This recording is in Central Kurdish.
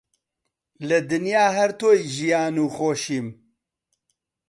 لە دنیا هەر تۆی ژیان و خۆشیم